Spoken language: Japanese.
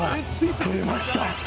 取れました。